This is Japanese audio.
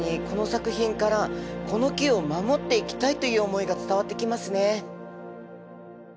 この作品から「この木を守っていきたい」という思いが伝わってきますね。